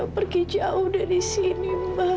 pergi jauh dari sini